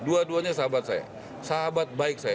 dua duanya sahabat saya sahabat baik saya